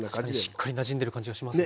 しっかりなじんでる感じがしますね。